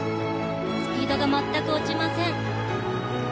スピードが全く落ちません。